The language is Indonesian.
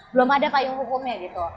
belum ada payung hukumnya gitu